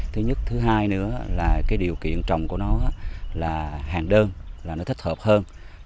thứ nhất thứ hai nữa là cái điều kiện trồng của nó là hàng đơn là nó thích hợp hơn